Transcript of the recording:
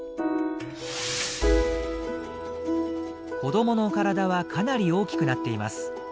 子どもの体はかなり大きくなっています。